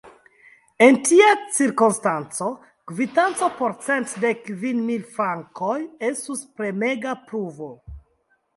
En tia cirkonstanco, kvitanco por cent dek kvin mil frankoj estus premega pruvo.